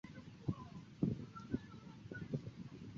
胡建伟为乾隆三年己未科进士。